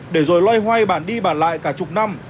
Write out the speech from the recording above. để rồi loay hoay bản đi bản lại cả chục năm